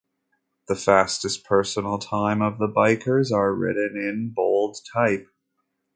The fastest personal time of the bikers are written in bold type.